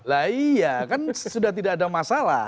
lah iya kan sudah tidak ada masalah